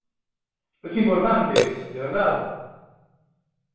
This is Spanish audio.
es importante, de verdad.